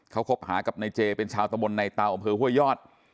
เขาครบหากับหน้าเจเป็นชาวตามนไนเตาอำเภอหวยอด